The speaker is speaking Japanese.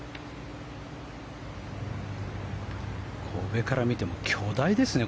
上から見ても巨大ですね。